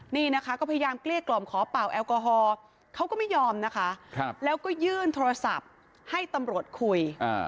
นี่นะคะก็พยายามเกลี้ยกล่อมขอเป่าแอลกอฮอล์เขาก็ไม่ยอมนะคะแล้วก็ยื่นโทรศัพท์ให้ตำรวจคุย